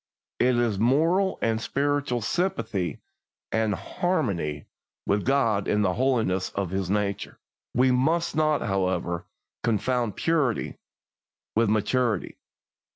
It is moral and spiritual sympathy and harmony with God in the holiness of His nature. We must not, however, confound purity with maturity.